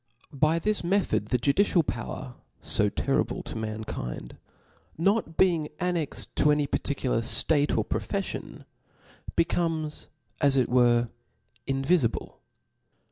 By this method the judicial power^ io terrible to mankind, not being annexed to any particular ftate or profeffion, becomes, as it were, invifi ble.